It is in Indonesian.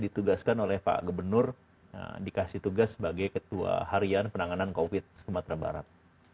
ditugaskan oleh pak gubernur dikasih tugas sebagai ketua harian penanganan covid sumatera barat